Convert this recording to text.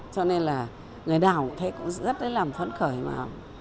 cho nên là người nào cũng thấy cũng rất là làm khuấn khởi mà